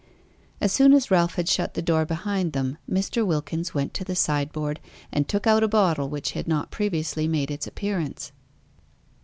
As soon as Ralph had shut the door behind them, Mr. Wilkins went to the sideboard, and took out a bottle which had not previously made its appearance.